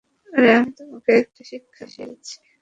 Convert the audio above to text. আরে আমি তোমাকে এটা শিক্ষা দিয়েছি?